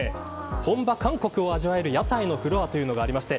本場韓国を味わえる屋台のフロアがありまして